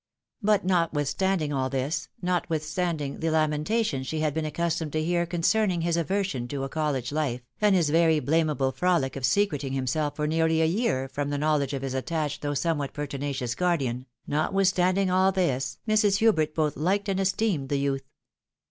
But notwith standing all this, notwithstanding the lamentations/s&e had been accustomed to hear concerning his aversion to 'a, college life, and his very blamable frohc of secreting himself for' nearly a year from the knowledge of his attached though somewhat pertinacious guardian, notwithstanding all this, Mrs. Hubert both liked and esteemed the youth.